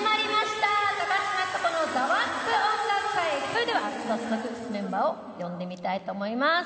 それでは早速メンバーを呼んでみたいと思います。